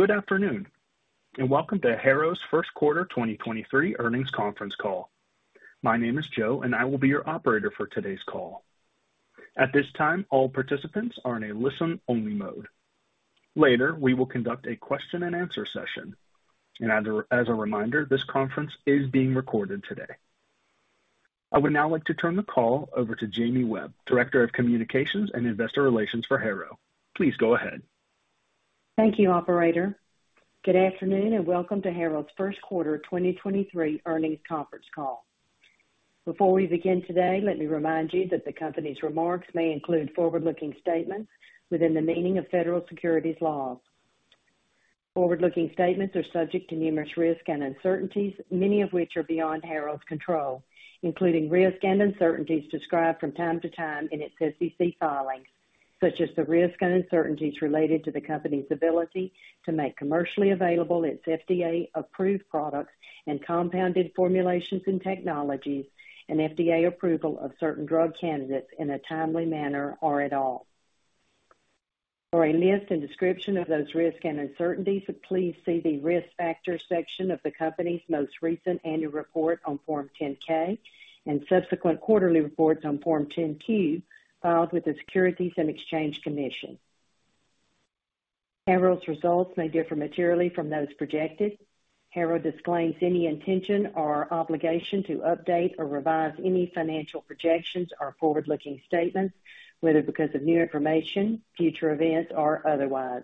Good afternoon. Welcome to Harrow's first quarter 2023 earnings conference call. My name is Joe, and I will be your operator for today's call. At this time, all participants are in a listen-only mode. Later, we will conduct a question-and-answer session. As a reminder, this conference is being recorded today. I would now like to turn the call over to Jamie Webb, Director of Communications and Investor Relations for Harrow. Please go ahead. Thank you, operator. Good afternoon. Welcome to Harrow's first quarter 2023 earnings conference call. Before we begin today, let me remind you that the company's remarks may include forward-looking statements within the meaning of federal securities laws. Forward-looking statements are subject to numerous risks and uncertainties, many of which are beyond Harrow's control, including risks and uncertainties described from time to time in its SEC filings, such as the risks and uncertainties related to the company's ability to make commercially available its FDA-approved products and compounded formulations and technologies and FDA approval of certain drug candidates in a timely manner or at all. For a list and description of those risks and uncertainties, please see the Risk Factors section of the company's most recent Annual Report on Form 10-K and subsequent quarterly reports on Form 10-Q filed with the Securities and Exchange Commission. Harrow's results may differ materially from those projected. Harrow disclaims any intention or obligation to update or revise any financial projections or forward-looking statements, whether because of new information, future events, or otherwise.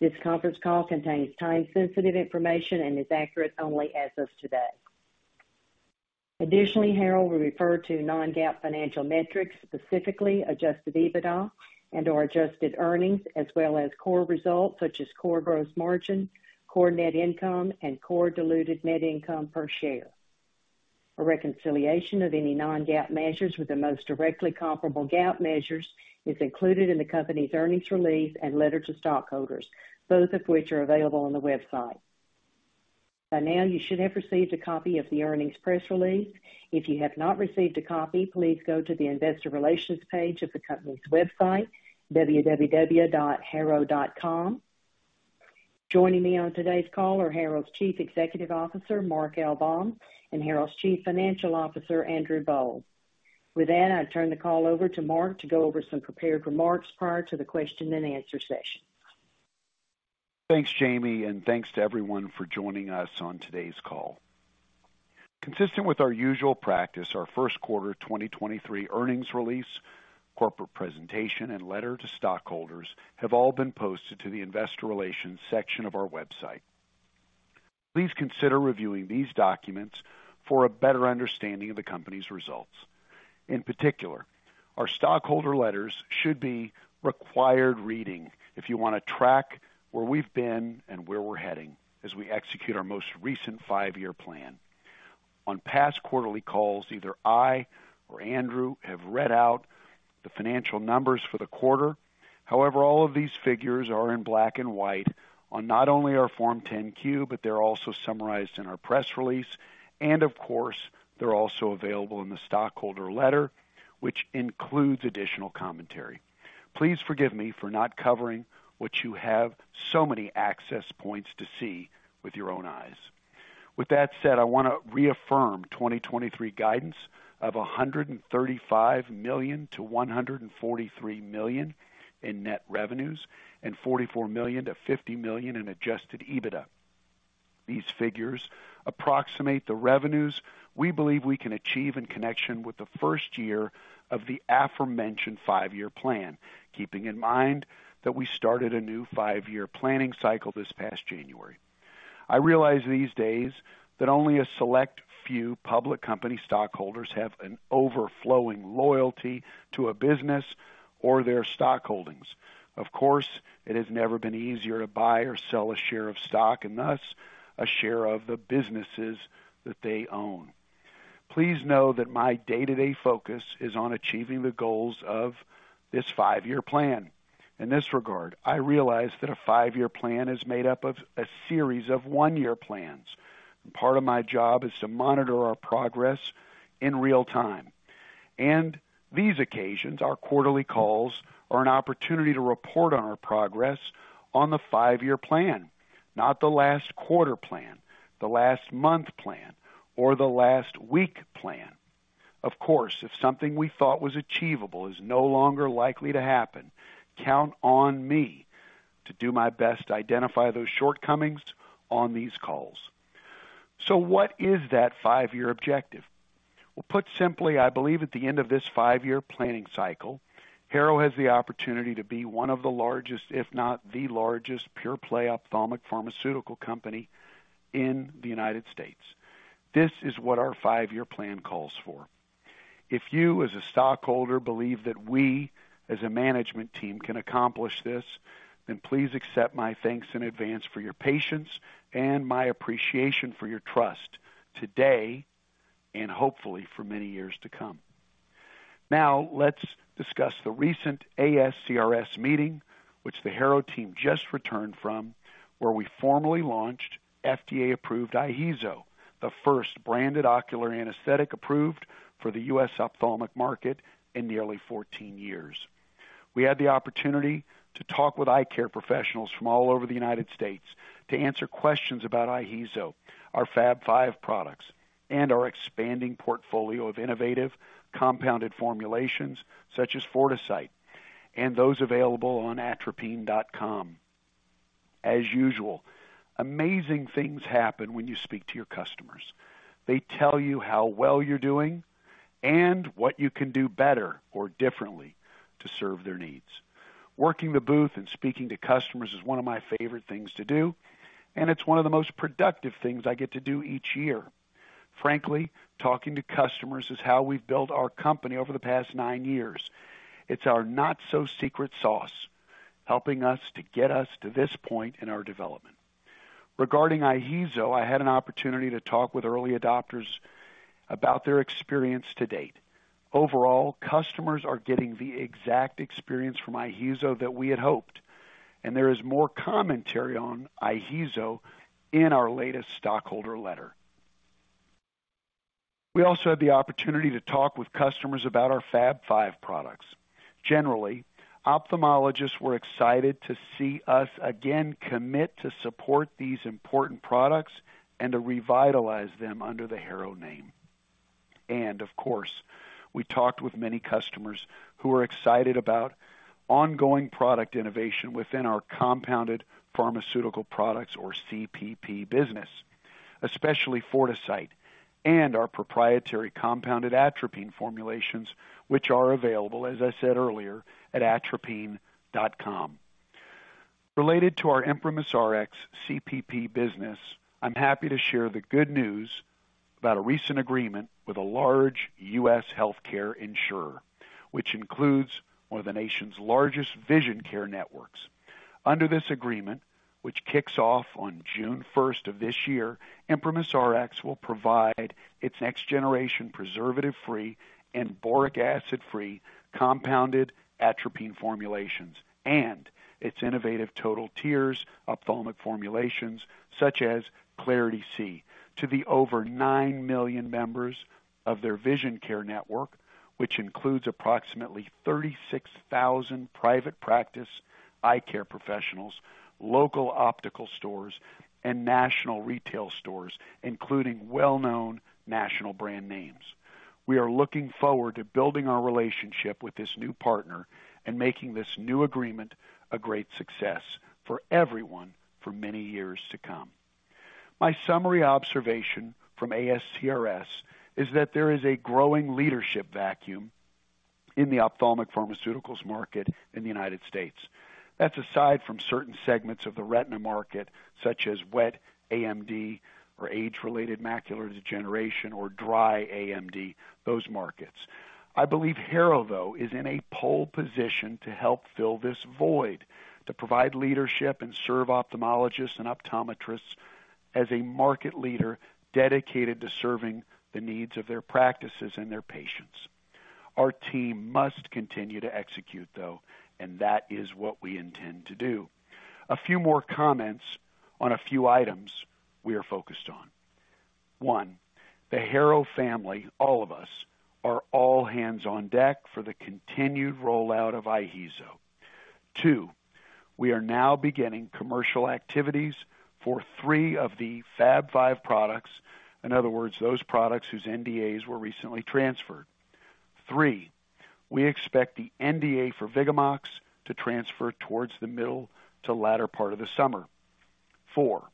This conference call contains time-sensitive information and is accurate only as of today. Additionally, Harrow will refer to non-GAAP financial metrics, specifically adjusted EBITDA and/or adjusted earnings, as well as core results such as core gross margin, core net income, and core diluted net income per share. A reconciliation of any non-GAAP measures with the most directly comparable GAAP measures is included in the company's earnings release and letter to stockholders, both of which are available on the website. By now, you should have received a copy of the earnings press release. If you have not received a copy, please go to the Investor Relations page of the company's website, www.harrowinc.com. Joining me on today's call are Harrow's Chief Executive Officer, Mark L. Baum, and Harrow's Chief Financial Officer, Andrew R. Boll. With that, I turn the call over to Mark to go over some prepared remarks prior to the question-and-answer session. Thanks, Jamie, thanks to everyone for joining us on today's call. Consistent with our usual practice, our first quarter 2023 earnings release, corporate presentation, and letter to stockholders have all been posted to the Investor Relations section of our website. Please consider reviewing these documents for a better understanding of the company's results. In particular, our stockholder letters should be required reading if you want to track where we've been and where we're heading as we execute our most recent 5-year plan. On past quarterly calls, either I or Andrew have read out the financial numbers for the quarter. However, all of these figures are in black and white on not only our Form 10-Q, but they're also summarized in our press release. Of course, they're also available in the stockholder letter, which includes additional commentary. Please forgive me for not covering what you have so many access points to see with your own eyes. With that said, I want to reaffirm 2023 guidance of $135 million-$143 million in net revenues and $44 million-$50 million in adjusted EBITDA. These figures approximate the revenues we believe we can achieve in connection with the first year of the aforementioned five-year plan, keeping in mind that we started a new five-year planning cycle this past January. I realize these days that only a select few public company stockholders have an overflowing loyalty to a business or their stock holdings. Of course, it has never been easier to buy or sell a share of stock and thus a share of the businesses that they own. Please know that my day-to-day focus is on achieving the goals of this 5-year plan. In this regard, I realize that a 5-year plan is made up of a series of 1-year plans. Part of my job is to monitor our progress in real-time. These occasions, our quarterly calls, are an opportunity to report on our progress on the 5-year plan, not the last quarter plan, the last month plan, or the last week plan. Of course, if something we thought was achievable is no longer likely to happen, count on me to do my best to identify those shortcomings on these calls. What is that 5-year objective? Put simply, I believe at the end of this 5-year planning cycle, Harrow has the opportunity to be one of the largest, if not the largest, pure-play ophthalmic pharmaceutical company in the United States. This is what our five-year plan calls for. If you, as a stockholder, believe that we as a management team can accomplish this, please accept my thanks in advance for your patience and my appreciation for your trust today and hopefully for many years to come. Let's discuss the recent ASCRS meeting, which the Harrow team just returned from, where we formally launched FDA-approved IHEEZO, the first branded ocular anesthetic approved for the U.S. ophthalmic market in nearly 14 years. We had the opportunity to talk with eye care professionals from all over the United States to answer questions about IHEEZO, our Fab Five products, and our expanding portfolio of innovative compounded formulations such as Fortisite and those available on atropine.com. As usual, amazing things happen when you speak to your customers. They tell you how well you're doing and what you can do better or differently to serve their needs. Working the booth and speaking to customers is one of my favorite things to do, and it's one of the most productive things I get to do each year. Frankly, talking to customers is how we've built our company over the past nine years. It's our not-so-secret sauce, helping us to get us to this point in our development. Regarding IHEEZO, I had an opportunity to talk with early adopters about their experience to date. Overall, customers are getting the exact experience from IHEEZO that we had hoped, and there is more commentary on IHEEZO in our latest stockholder letter. We also had the opportunity to talk with customers about our Fab Five products. Generally, ophthalmologists were excited to see us again commit to support these important products and to revitalize them under the Harrow name. Of course, we talked with many customers who are excited about ongoing product innovation within our compounded pharmaceutical products or CPP business, especially Fortisite and our proprietary compounded atropine formulations, which are available, as I said earlier, at atropine.com. Related to our ImprimisRx CPP business, I'm happy to share the good news about a recent agreement with a large U.S. healthcare insurer, which includes one of the nation's largest vision care networks. Under this agreement, which kicks off on June first of this year, ImprimisRx will provide its next generation preservative-free and boric acid-free compounded atropine formulations and its innovative Total Tears ophthalmic formulations, such as Klarity-C, to the over 9 million members of their vision care network, which includes approximately 36,000 private practice eye care professionals, local optical stores, and national retail stores, including well-known national brand names. We are looking forward to building our relationship with this new partner and making this new agreement a great success for everyone for many years to come. My summary observation from ASCRS is that there is a growing leadership vacuum in the ophthalmic pharmaceuticals market in the United States. That's aside from certain segments of the retina market, such as wet AMD or age-related macular degeneration or dry AMD, those markets. I believe Harrow, though, is in a pole position to help fill this void, to provide leadership and serve ophthalmologists and optometrists as a market leader dedicated to serving the needs of their practices and their patients. Our team must continue to execute, though. That is what we intend to do. A few more comments on a few items we are focused on. One, the Harrow family, all of us, are all hands on deck for the continued rollout of IHEEZO. Two, we are now beginning commercial activities for three of the Fab Five products. In other words, those products whose NDAs were recently transferred. Three, we expect the NDA for VIGAMOX to transfer towards the middle to latter part of the summer. 4,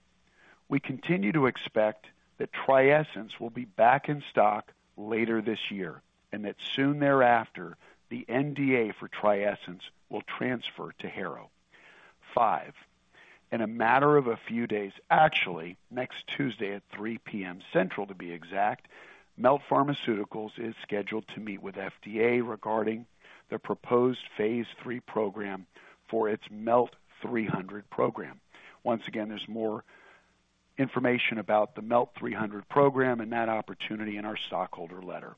we continue to expect that TRIESENCE will be back in stock later this year and that soon thereafter, the NDA for TRIESENCE will transfer to Harrow. 5, in a matter of a few days, actually next Tuesday at 3:00 P.M. Central to be exact, Melt Pharmaceuticals is scheduled to meet with FDA regarding the proposed phase III program for its MELT-300 program. There's more information about the MELT-300 program and that opportunity in our stockholder letter.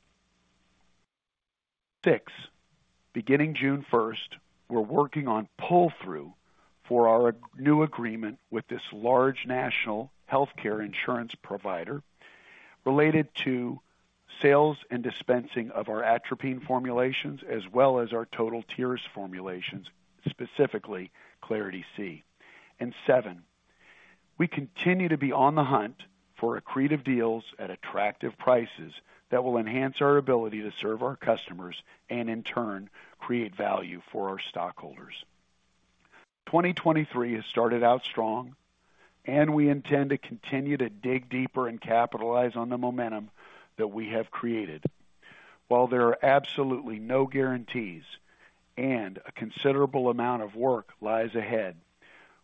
6, beginning June 1st, we're working on pull-through for our new agreement with this large national healthcare insurance provider related to sales and dispensing of our atropine formulations as well as our Total Tears formulations, specifically Klarity-C. 7, we continue to be on the hunt for accretive deals at attractive prices that will enhance our ability to serve our customers and in turn create value for our stockholders. 2023 has started out strong, and we intend to continue to dig deeper and capitalize on the momentum that we have created. While there are absolutely no guarantees and a considerable amount of work lies ahead,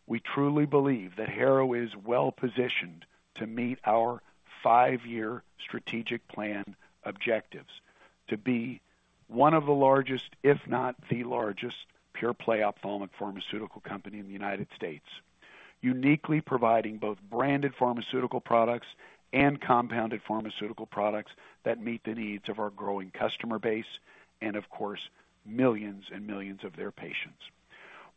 we truly believe that Harrow is well-positioned to meet our 5-year strategic plan objectives to be one of the largest, if not the largest, pure-play ophthalmic pharmaceutical company in the United States, uniquely providing both branded pharmaceutical products and compounded pharmaceutical products that meet the needs of our growing customer base and of course, millions and millions of their patients.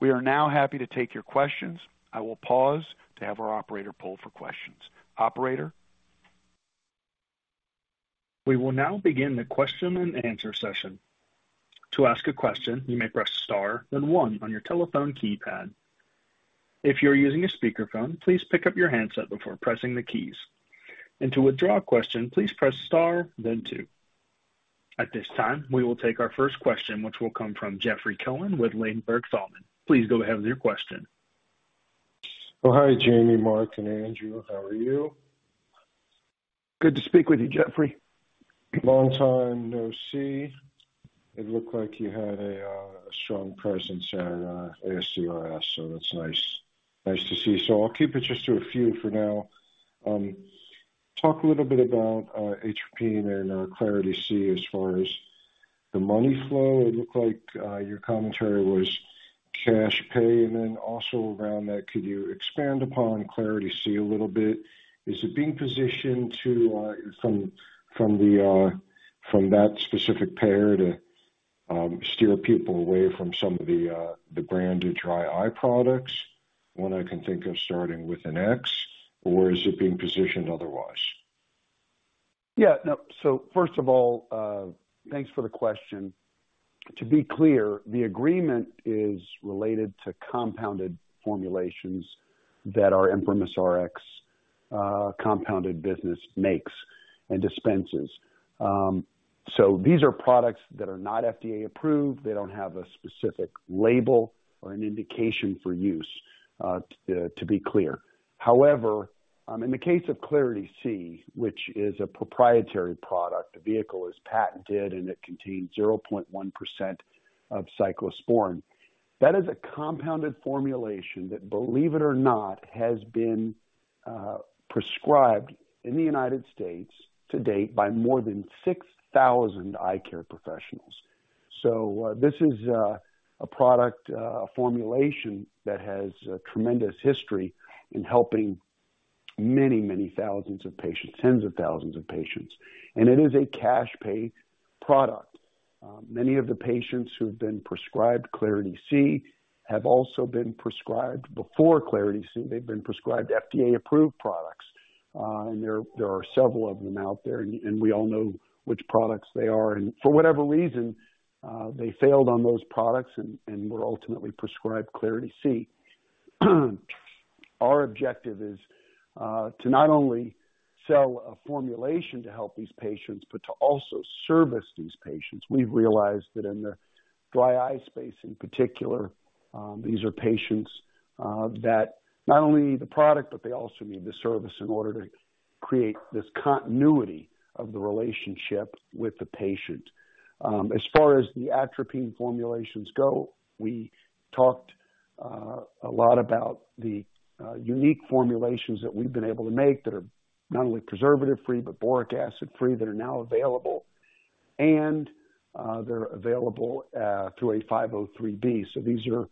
We are now happy to take your questions. I will pause to have our operator pull for questions. Operator? We will now begin the question-and-answer session. To ask a question, you may press star, then one on your telephone keypad. If you're using a speakerphone, please pick up your handset before pressing the keys. To withdraw a question, please press star then two. At this time, we will take our first question, which will come from Jeffrey Cohen with Ladenburg Thalmann. Please go ahead with your question. Oh, hi, Jamie, Mark, and Andrew. How are you? Good to speak with you, Jeffrey. Long time no see. It looked like you had a strong presence at ASCRS, so it's nice to see. I'll keep it just to a few for now. Talk a little bit about atropine and Klarity-C as far as the money flow. It looked like your commentary was cash pay. Then also around that, could you expand upon Klarity-C a little bit? Is it being positioned to from that specific payer to steer people away from some of the branded dry eye products, one I can think of starting with an X? Is it being positioned otherwise? No. First of all, thanks for the question. To be clear, the agreement is related to compounded formulations that our ImprimisRx compounded business makes and dispenses. These are products that are not FDA approved. They don't have a specific label or an indication for use, to be clear. However, in the case of Klarity-C, which is a proprietary product, the vehicle is patented, and it contains 0.1% of cyclosporine. That is a compounded formulation that, believe it or not, has been prescribed in the United States to date by more than 6,000 eye care professionals. This is a product, a formulation that has a tremendous history in helping many, many thousands of patients, tens of thousands of patients. It is a cash pay product. Many of the patients who've been prescribed Klarity-C have also been prescribed before Klarity-C, they've been prescribed FDA-approved products. There are several of them out there, and we all know which products they are. For whatever reason, they failed on those products and were ultimately prescribed Klarity-C. Our objective is to not only sell a formulation to help these patients, but to also service these patients. We've realized that in the dry eye space, in particular, these are patients that not only need the product, but they also need the service in order to create this continuity of the relationship with the patient. As far as the atropine formulations go, we talked a lot about the unique formulations that we've been able to make that are not only preservative-free but boric acid-free, that are now available. They're available through a 503B. These are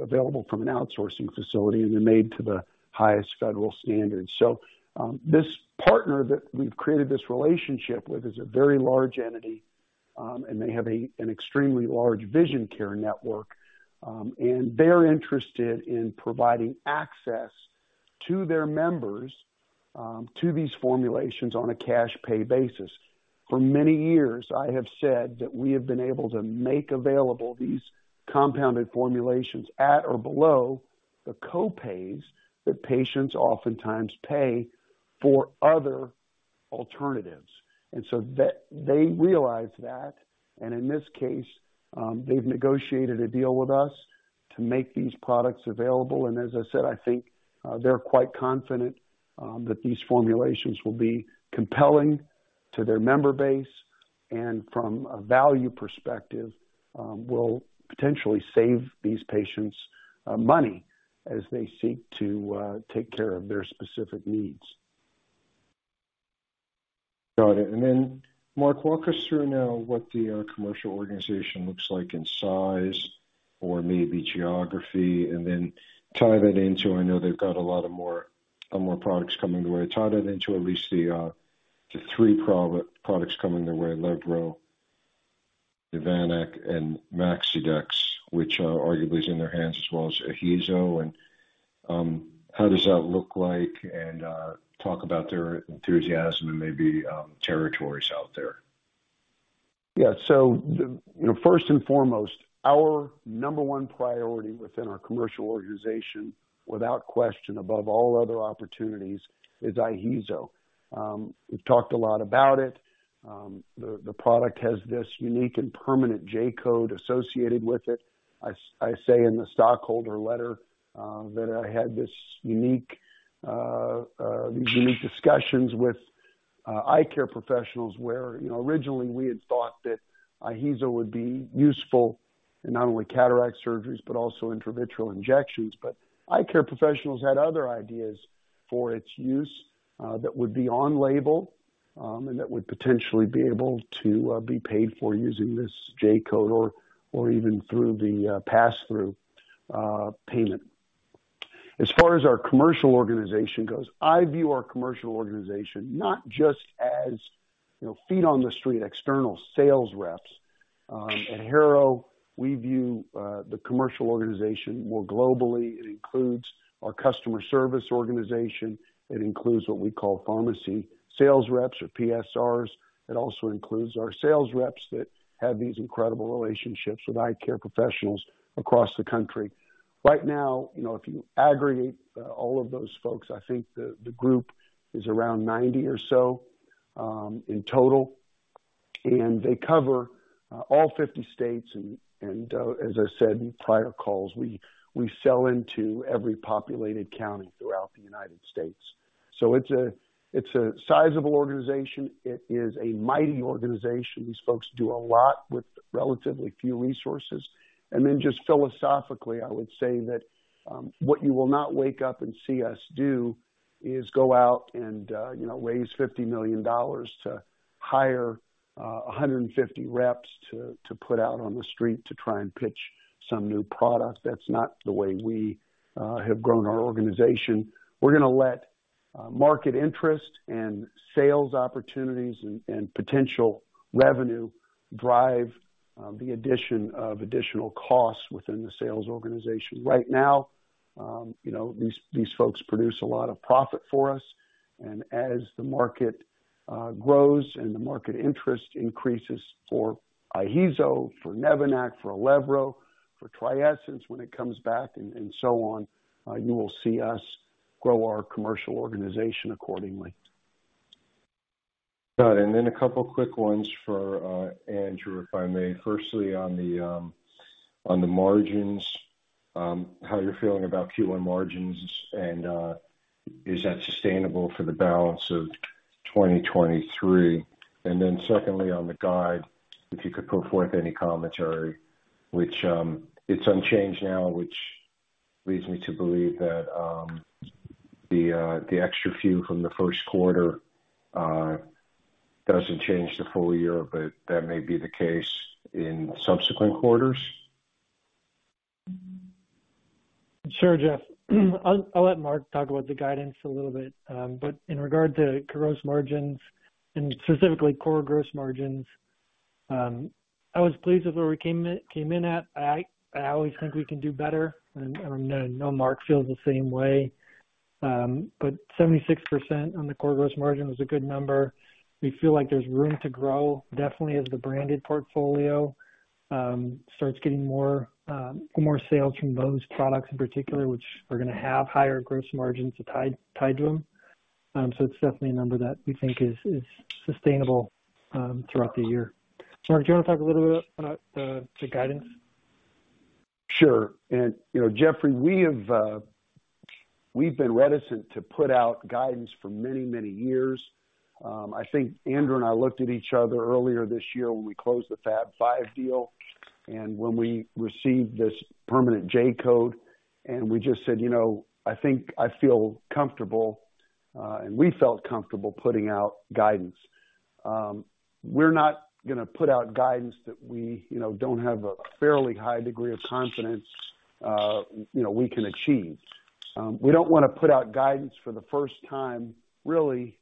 available from an outsourcing facility, and they're made to the highest federal standards. This partner that we've created this relationship with is a very large entity, and they have an extremely large vision care network. They're interested in providing access to their members to these formulations on a cash pay basis. For many years, I have said that we have been able to make available these compounded formulations at or below the co-pays that patients oftentimes pay for other alternatives. They realize that. In this case, they've negotiated a deal with us to make these products available. As I said, I think, they're quite confident, that these formulations will be compelling to their member base and from a value perspective, will potentially save these patients, money as they seek to, take care of their specific needs. Got it. Mark, walk us through now what the commercial organization looks like in size or maybe geography, and then tie that into I know they've got a lot of more products coming their way. Tie that into at least the three products coming their way, ILEVRO, Nevanac, and MAXIDEX, which are arguably is in their hands, as well as IHEEZO. How does that look like? Talk about their enthusiasm and maybe territories out there. The, you know, first and foremost, our number 1 priority within our commercial organization, without question, above all other opportunities is IHEEZO. We've talked a lot about it. The product has this unique and permanent J-code associated with it. I say in the stockholder letter, that I had this unique, these unique discussions with eye care professionals where, you know, originally we had thought that IHEEZO would be useful in not only cataract surgeries but also intravitreal injections. Eye care professionals had other ideas for its use that would be on label and that would potentially be able to be paid for using this J-code or even through the pass-through payment. As far as our commercial organization goes, I view our commercial organization not just as, you know, feet on the street, external sales reps. At Harrow, we view the commercial organization more globally. It includes our customer service organization. It includes what we call pharmacy sales reps or PSRs. It also includes our sales reps that have these incredible relationships with eye care professionals across the country. Right now, you know, if you aggregate all of those folks, I think the group is around 90 or so in total, and they cover all 50 states. As I said in prior calls, we sell into every populated county throughout the United States. It's a sizable organization. It is a mighty organization. These folks do a lot with relatively few resources. Just philosophically, I would say that, what you will not wake up and see us do is go out and, you know, raise $50 million to hire 150 reps to put out on the street to try and pitch some new product. That's not the way we have grown our organization. We're gonna let market interest and sales opportunities and potential revenue drive the addition of additional costs within the sales organization. Right now, you know, these folks produce a lot of profit for us, and as the market grows and the market interest increases for IHEEZO, for Nevanac, for ILEVRO, for TRIESENCE when it comes back, and so on, you will see us grow our commercial organization accordingly. Got it. A couple of quick ones for Andrew, if I may. Firstly on the margins, how you're feeling about Q1 margins and is that sustainable for the balance of 2023? Secondly, on the guide, if you could put forth any commentary. It's unchanged now, which leads me to believe that the extra few from the first quarter doesn't change the full year, but that may be the case in subsequent quarters. Sure, Jeff. I'll let Mark talk about the guidance a little bit. But in regard to gross margins and specifically core gross margins, I was pleased with where we came in at. I always think we can do better. I know Mark feels the same way. But 76% on the core gross margin was a good number. We feel like there's room to grow definitely as the branded portfolio starts getting more sales from those products in particular, which are gonna have higher gross margins tied to them. It's definitely a number that we think is sustainable throughout the year. Mark, do you wanna talk a little bit about the guidance? Sure. You know, Jeffrey, we have, we've been reticent to put out guidance for many, many years. I think Andrew and I looked at each other earlier this year when we closed the Fab Five deal and when we received this permanent J-code, and we just said, "You know, I think I feel comfortable," and we felt comfortable putting out guidance. We're not gonna put out guidance that we, you know, don't have a fairly high degree of confidence, you know, we can achieve. We don't wanna put out guidance for the first time, really,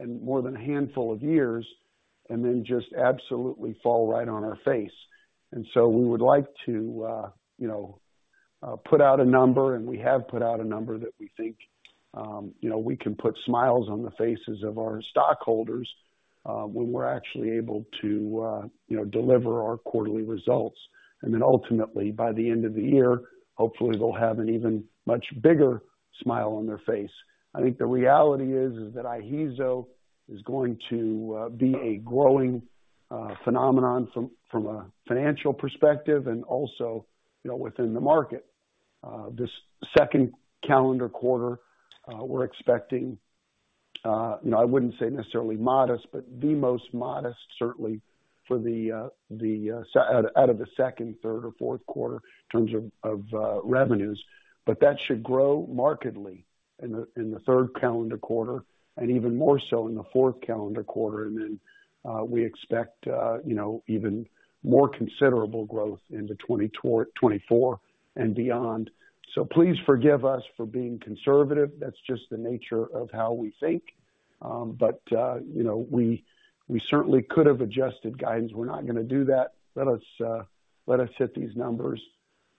in more than a handful of years and then just absolutely fall right on our face. We would like to, you know, put out a number, and we have put out a number that we think, you know, we can put smiles on the faces of our stockholders, when we're actually able to, you know, deliver our quarterly results. Ultimately, by the end of the year, hopefully they'll have an even much bigger smile on their face. I think the reality is that IHEEZO is going to be a growing phenomenon from a financial perspective and also, you know, within the market. This second calendar quarter, we're expecting, you know, I wouldn't say necessarily modest, but the most modest certainly for the out of the second, third or fourth quarter in terms of revenues. That should grow markedly in the third calendar quarter and even more so in the fourth calendar quarter. Then, we expect, you know, even more considerable growth into 2024 and beyond. Please forgive us for being conservative. That's just the nature of how we think. You know, we certainly could have adjusted guidance. We're not gonna do that. Let us hit these numbers,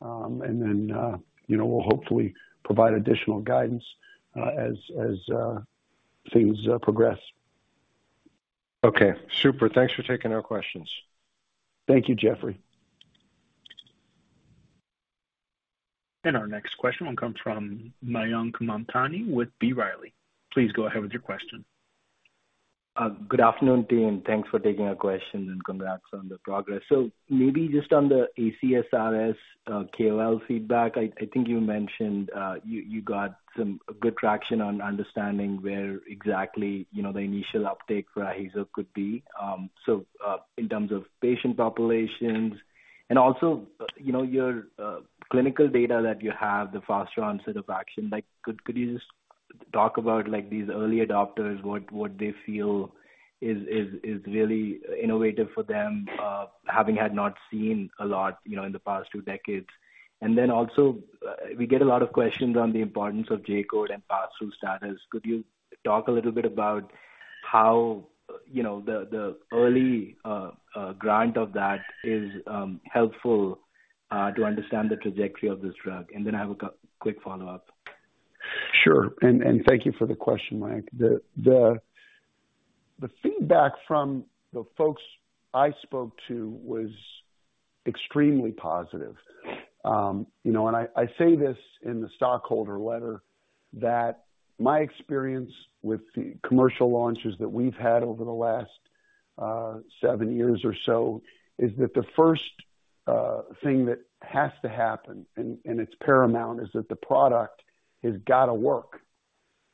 and then, you know, we'll hopefully provide additional guidance as things progress. Okay. Super. Thanks for taking our questions. Thank you, Jeffrey. Our next question will come from Mayank Mamtani with B. Riley. Please go ahead with your question. Good afternoon, team, thanks for taking our question and congrats on the progress. Maybe just on the ASCRS KOL feedback. I think you mentioned, you got some good traction on understanding where exactly, you know, the initial uptake for IHEEZO could be. So, in terms of patient populations. Also, you know, your clinical data that you have, the faster onset of action, could you just talk about, like, these early adopters, what they feel is really innovative for them, having had not seen a lot, you know, in the past two decades? Then also, we get a lot of questions on the importance of J-code and pass-through status. Could you talk a little bit about how, you know, the early grant of that is helpful to understand the trajectory of this drug? Then I have a quick follow-up. Sure. Thank you for the question, Mike. The feedback from the folks I spoke to was extremely positive. You know, I say this in the stockholder letter that my experience with the commercial launches that we've had over the last seven years or so is that the first thing that has to happen, and it's paramount, is that the product has gotta work.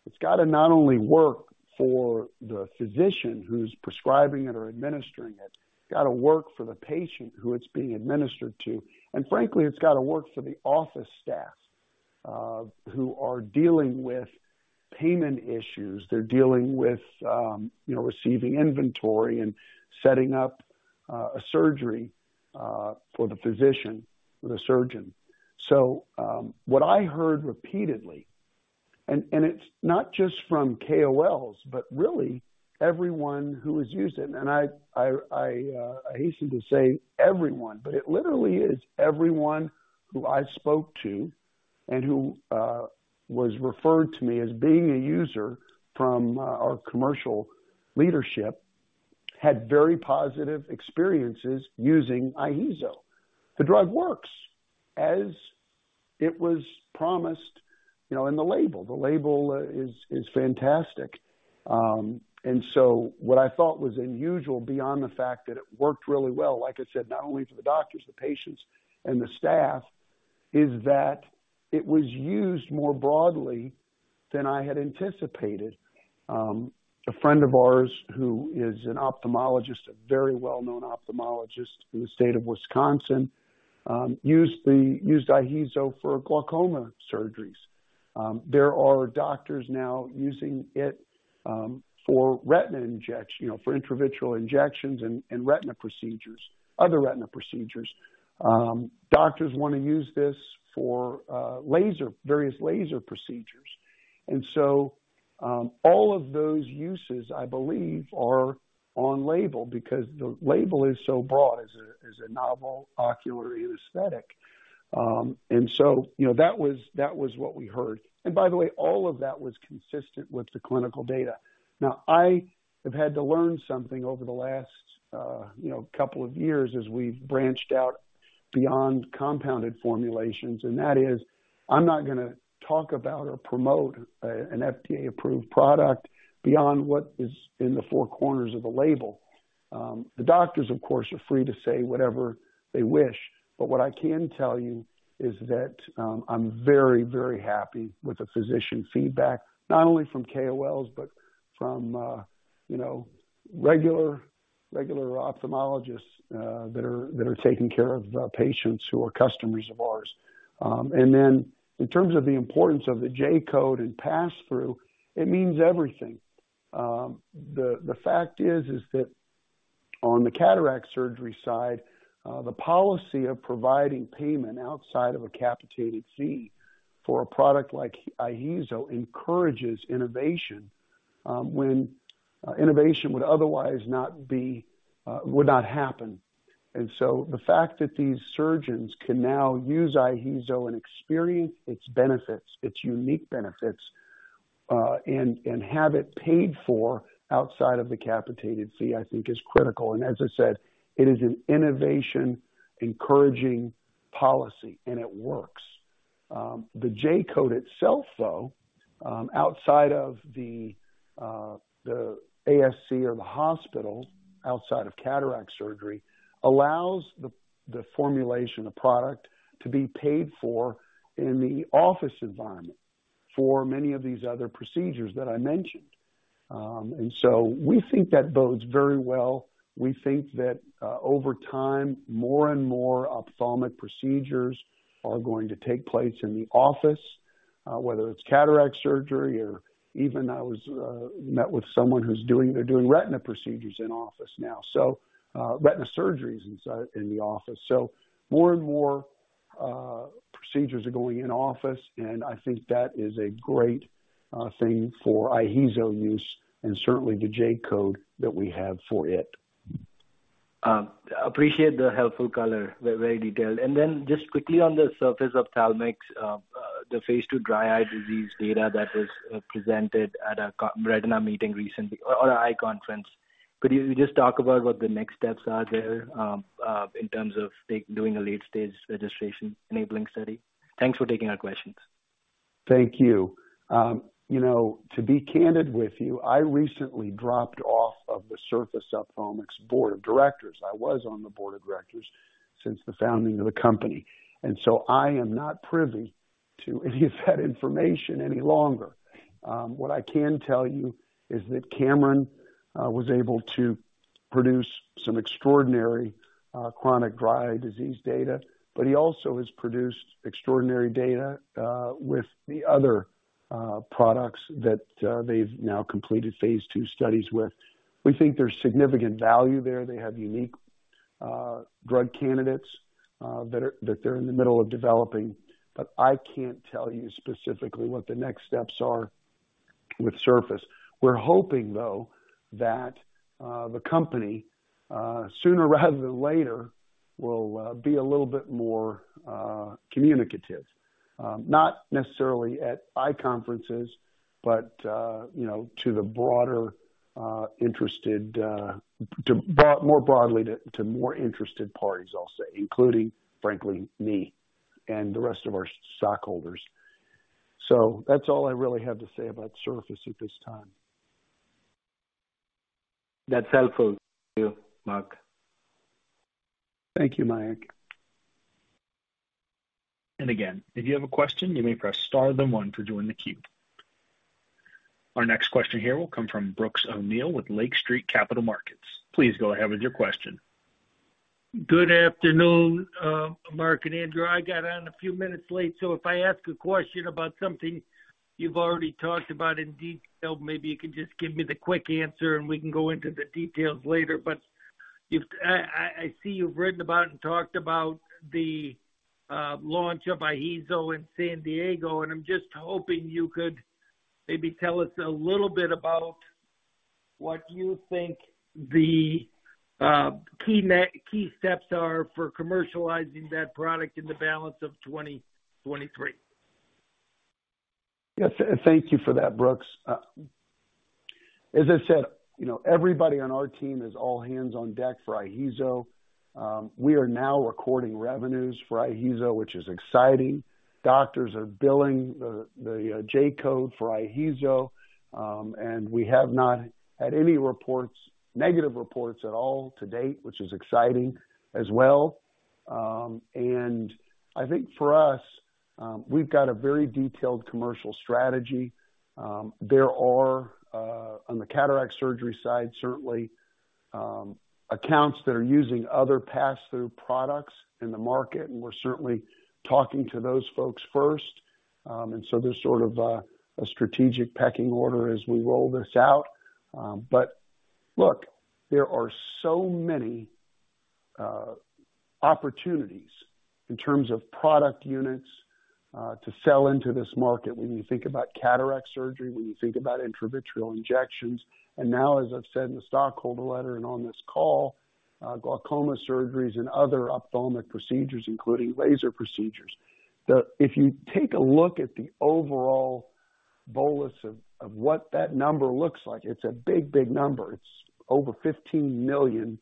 It's gotta not only work for the physician who's prescribing it or administering it's gotta work for the patient who it's being administered to. Frankly, it's gotta work for the office staff who are dealing with payment issues. They're dealing with, you know, receiving inventory and setting up a surgery for the physician or the surgeon. What I heard repeatedly, and it's not just from KOLs, but really everyone who has used it, and I hasten to say everyone, but it literally is everyone who I spoke to and who was referred to me as being a user from our commercial leadership had very positive experiences using IHEEZO. The drug works as it was promised, you know, in the label. The label is fantastic. What I thought was unusual beyond the fact that it worked really well, like I said, not only for the doctors, the patients and the staff, is that it was used more broadly than I had anticipated. A friend of ours who is an ophthalmologist, a very well-known ophthalmologist in the state of Wisconsin, used IHEEZO for glaucoma surgeries. There are doctors now using it, you know, for intravitreal injections and retina procedures, other retina procedures. Doctors wanna use this for laser, various laser procedures. All of those uses, I believe, are on label because the label is so broad as a, as a novel ocular anesthetic. You know, that was what we heard. By the way, all of that was consistent with the clinical data. Now, I have had to learn something over the last, you know, couple of years as we've branched out beyond compounded formulations, and that is I'm not gonna talk about or promote an FDA-approved product beyond what is in the four corners of the label. The doctors, of course, are free to say whatever they wish. What I can tell you is that, I'm very happy with the physician feedback, not only from KOLs, but from, you know, regular ophthalmologists that are taking care of patients who are customers of ours. In terms of the importance of the J-code and pass-through, it means everything. The fact is that on the cataract surgery side, the policy of providing payment outside of a capitated fee for a product like IHEEZO encourages innovation when innovation would otherwise not be, would not happen. The fact that these surgeons can now use IHEEZO and experience its benefits, its unique benefits, and have it paid for outside of the capitated fee, I think is critical. As I said, it is an innovation-encouraging policy, and it works. The J-code itself, though, outside of the ASC or the hospital outside of cataract surgery, allows the formulation, the product to be paid for in the office environment for many of these other procedures that I mentioned. We think that bodes very well. We think that over time, more and more ophthalmic procedures are going to take place in the office, whether it's cataract surgery or even I was met with someone who's doing, they're doing retina procedures in office now. Retina surgeries inside, in the office. More and more procedures are going in office, and I think that is a great thing for IHEEZO use and certainly the J-code that we have for it. Appreciate the helpful color. Very detailed. Just quickly on the Surface Ophthalmics, the phase II dry eye disease data that was presented at a co- retina meeting recently or an eye conference, could you just talk about what the next steps are there, in terms of doing a late-stage registration enabling study? Thanks for taking our questions. Thank you. you know, to be candid with you, I recently dropped off of the Surface Ophthalmics board of directors. I was on the board of directors since the founding of the company. I am not privy to any of that information any longer. What I can tell you is that Kamran was able to produce some extraordinary chronic dry eye disease data, but he also has produced extraordinary data with the other products that they've now completed phase II studies with. We think there's significant value there. They have unique drug candidates that they're in the middle of developing. I can't tell you specifically what the next steps are with Surface. We're hoping, though, that the company sooner rather than later will be a little bit more communicative. Not necessarily at eye conferences, but, you know, to the broader, interested, more broadly to more interested parties, I'll say, including, frankly, me and the rest of our stockholders. That's all I really have to say about Surface at this time. That's helpful. Thank you, Mark. Thank you, Mayank. Again, if you have a question, you may press star then one to join the queue. Our next question here will come from Brooks O'Neil with Lake Street Capital Markets. Please go ahead with your question. Good afternoon, Mark and Andrew. I got on a few minutes late so if I ask a question about something you've already talked about in detail, maybe you can just give me the quick answer, and we can go into the details later. I see you've written about and talked about the launch of IHEEZO in San Diego, I'm just hoping you could maybe tell us a little bit about what you think the key steps are for commercializing that product in the balance of 2023. Yes. Thank you for that, Brooks. As I said, you know, everybody on our team is all hands on deck for IHEEZO. We are now recording revenues for IHEEZO, which is exciting. Doctors are billing the J-code for IHEEZO. We have not had any reports, negative reports at all to date, which is exciting as well. I think for us, we've got a very detailed commercial strategy. There are, on the cataract surgery side, certainly, accounts that are using other pass-through products in the market, and we're certainly talking to those folks first. There's sort of a strategic pecking order as we roll this out. Look, there are so many opportunities in terms of product units to sell into this market when you think about cataract surgery, when you think about intravitreal injections. Now, as I've said in the stockholder letter and on this call, glaucoma surgeries and other ophthalmic procedures, including laser procedures. If you take a look at the overall bolus of what that number looks like, it's a big, big number. It's over 15 million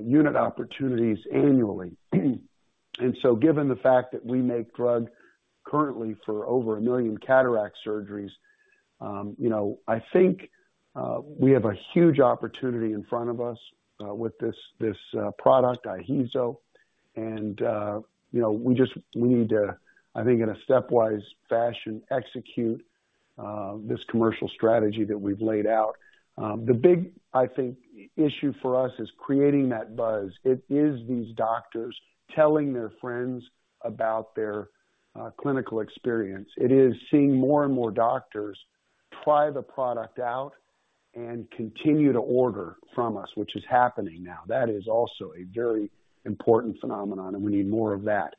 unit opportunities annually. Given the fact that we make drug currently for over 1 million cataract surgeries, you know, I think we have a huge opportunity in front of us with this product, IHEEZO. You know, we just. We need to, I think in a stepwise fashion, execute this commercial strategy that we've laid out. The big, I think, issue for us is creating that buzz. It is these doctors telling their friends about their clinical experience. It is seeing more and more doctors try the product out and continue to order from us, which is happening now. That is also a very important phenomenon, and we need more of that.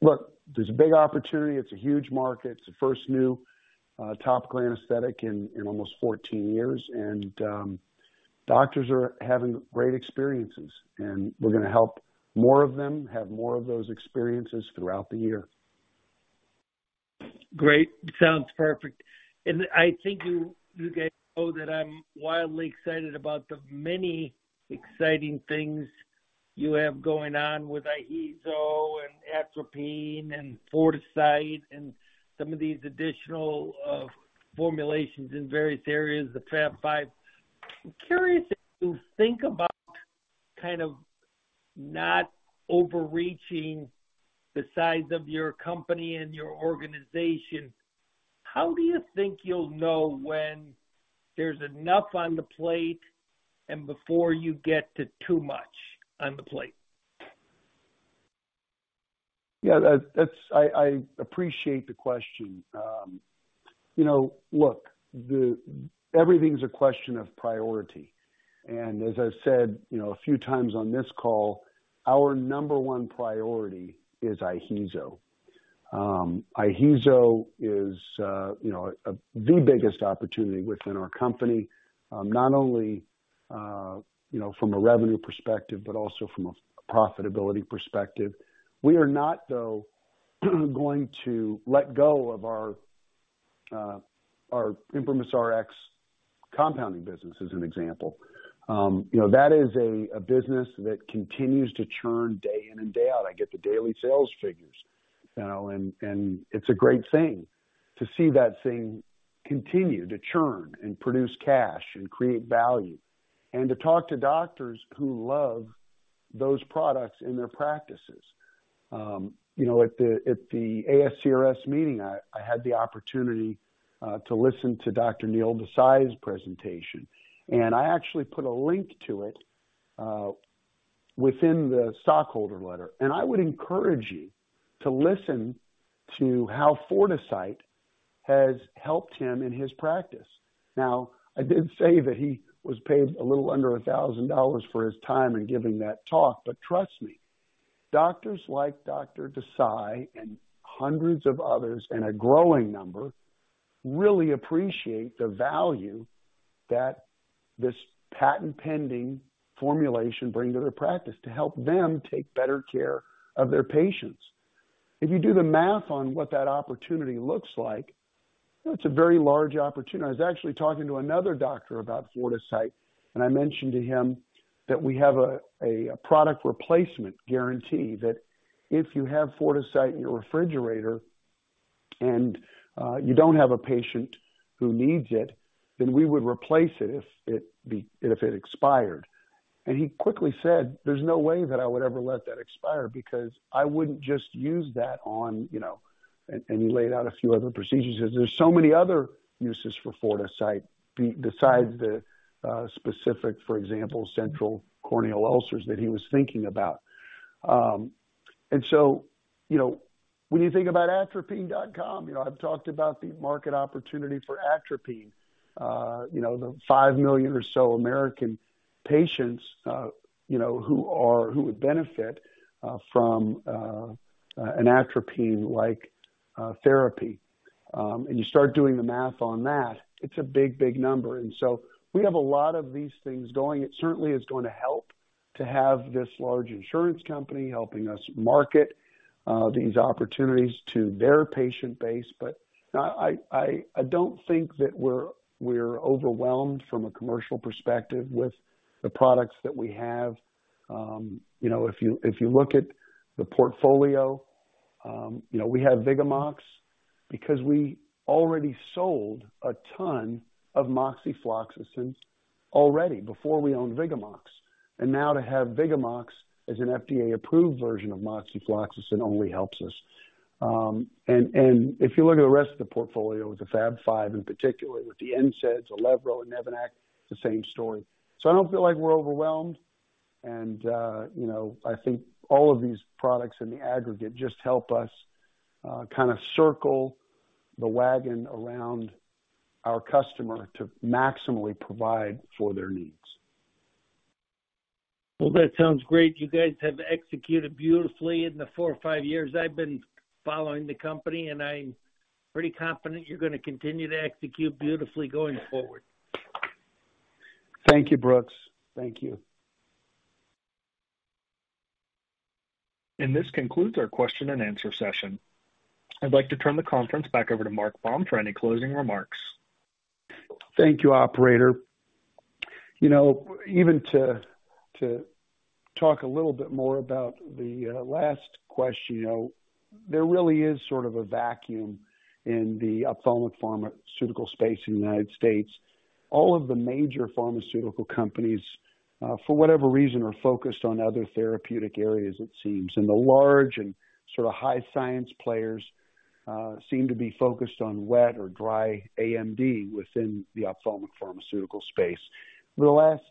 Look, there's a big opportunity. It's a huge market. It's the first new topical anesthetic in almost 14 years. Doctors are having great experiences, and we're gonna help more of them have more of those experiences throughout the year. Great. Sounds perfect. I think you guys know that I'm wildly excited about the many exciting things you have going on with IHEEZO and atropine and Fortisite and some of these additional formulations in various areas, the Fab Five. I'm curious if you think about kind of not overreaching the size of your company and your organization, how do you think you'll know when there's enough on the plate and before you get to too much on the plate? I appreciate the question. You know, look, everything's a question of priority. As I said, you know, a few times on this call, our number 1 priority is IHEEZO. IHEEZO is, you know, the biggest opportunity within our company, not only, you know, from a revenue perspective but also from a profitability perspective. We are not though going to let go of our ImprimisRx compounding business, as an example. You know, that is a business that continues to churn day in and day out. I get the daily sales figures, you know, and it's a great thing to see that thing continue to churn and produce cash and create value, and to talk to doctors who love those products in their practices. You know, at the ASCRS meeting I had the opportunity to listen to Dr. Neel Desai's presentation, and I actually put a link to it within the stockholder letter. I would encourage you to listen to how Fortisite has helped him in his practice. Now, I did say that he was paid a little under $1,000 for his time in giving that talk. Trust me, doctors like Dr. Desai and hundreds of others, and a growing number, really appreciate the value that this patent-pending formulation bring to their practice to help them take better care of their patients. If you do the math on what that opportunity looks like, it's a very large opportunity. I was actually talking to another doctor about Fortisite. I mentioned to him that we have a product replacement guarantee that if you have Fortisite in your refrigerator and you don't have a patient who needs it, then we would replace it if it expired. He quickly said, "There's no way that I would ever let that expire because I wouldn't just use that on, you know," he laid out a few other procedures. There's so many other uses for Fortisite besides the specific, for example, central corneal ulcers that he was thinking about. You know, when you think about atropine.com, you know, I've talked about the market opportunity for atropine. You know, the 5 million or so American patients, you know, who would benefit from an atropine-like therapy. You start doing the math on that, it's a big, big number. We have a lot of these things going. It certainly is going to help to have this large insurance company helping us market these opportunities to their patient base. I don't think that we're overwhelmed from a commercial perspective with the products that we have. You know, if you look at the portfolio, you know, we have VIGAMOX because we already sold a ton of moxifloxacin already before we owned VIGAMOX. Now to have VIGAMOX as an FDA-approved version of moxifloxacin only helps us. If you look at the rest of the portfolio with the Fab Five, in particular with the NSAIDs, ILEVRO and Nevanac, the same story. I don't feel like we're overwhelmed. You know, I think all of these products in the aggregate just help us kind of circle the wagon around our customer to maximally provide for their needs. Well, that sounds great. You guys have executed beautifully in the four or five years I've been following the company, and I'm pretty confident you're gonna continue to execute beautifully going forward. Thank you, Brooks. Thank you. This concludes our question-and-answer session. I'd like to turn the conference back over to Mark Baum for any closing remarks. Thank you, operator. You know, even to talk a little bit more about the last question. You know, there really is sort of a vacuum in the ophthalmic pharmaceutical space in the United States. All of the major pharmaceutical companies, for whatever reason, are focused on other therapeutic areas, it seems. The large and sort of high science players seem to be focused on wet or dry AMD within the ophthalmic pharmaceutical space. For the last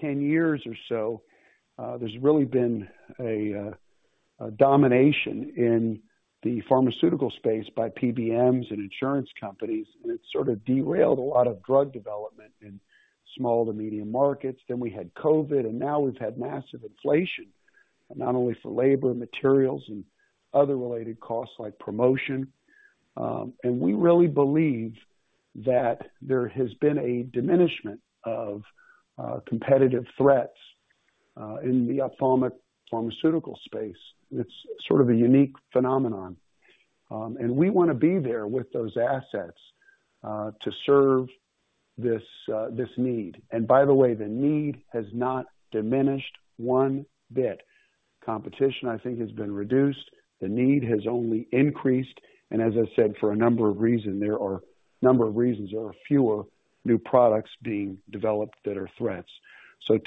10 years or so, there's really been a domination in the pharmaceutical space by PBMs and insurance companies, and it sort of derailed a lot of drug development in small to medium markets. We had COVID, and now we've had massive inflation, not only for labor, materials, and other related costs like promotion. We really believe that there has been a diminishment of competitive threats in the ophthalmic pharmaceutical space. It's sort of a unique phenomenon. We wanna be there with those assets to serve this need. By the way, the need has not diminished one bit. Competition, I think, has been reduced. The need has only increased. As I said, for a number of reasons, there are fewer new products being developed that are threats.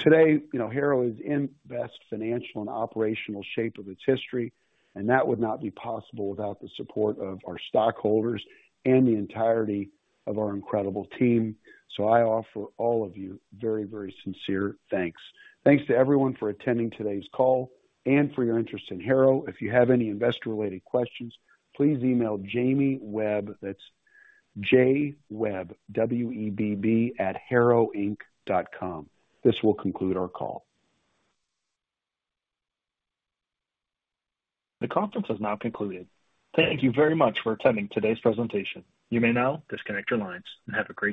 Today, you know, Harrow is in best financial and operational shape of its history, and that would not be possible without the support of our stockholders and the entirety of our incredible team. I offer all of you very, very sincere thanks. Thanks to everyone for attending today's call and for your interest in Harrow. If you have any investor-related questions, please email Jamie Webb. That's jwebb, W-E-B-B, @harrowinc.com. This will conclude our call. The conference has now concluded. Thank you very much for attending today's presentation. You may now disconnect your lines and have a great day.